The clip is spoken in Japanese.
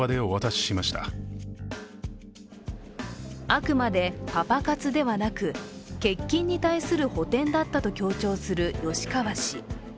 あくまでパパ活ではなく、欠勤に対する補填だったと強調する吉川氏。